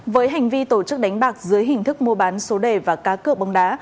với hành vi tổ chức đánh bạc dưới hình thức mua bán số đề và cá cược bóng đá